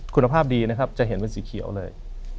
คุณภาพดีนะครับอยากจะเห็นสีเขียวเลย